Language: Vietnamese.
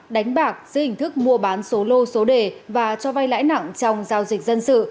đánh bạc dưới hình thức mua bán số lô số đề và cho vay lãi nặng trong giao dịch dân sự